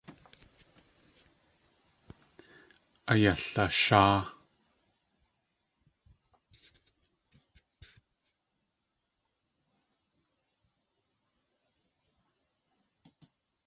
Ayalasháa.